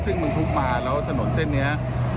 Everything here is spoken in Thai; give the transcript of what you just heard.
ซึ่งบรรทุกมาแล้วถนนเส้นนี้